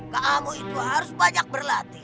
kamu itu harus banyak berlatih